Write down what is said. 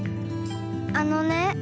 あのね。